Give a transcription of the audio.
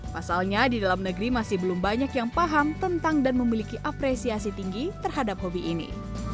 pasalnya di dalam negeri masih belum banyak yang paham tentang dan memiliki apresiasi tinggi terhadap hobi ini